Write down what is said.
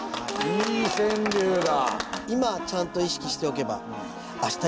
いい川柳だ！